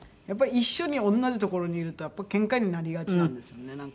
やっぱり一緒に同じ所にいるとけんかになりがちなんですよね。